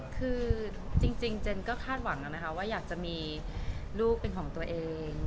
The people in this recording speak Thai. คือจริงเจนก็คาดหวังแล้วนะคะว่าอยากจะมีลูกเป็นของตัวเอง